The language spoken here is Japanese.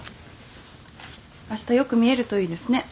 あしたよく見えるといいですね